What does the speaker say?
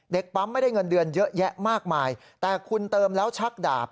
ปั๊มไม่ได้เงินเดือนเยอะแยะมากมายแต่คุณเติมแล้วชักดาบ